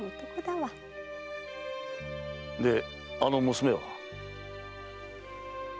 であの娘は？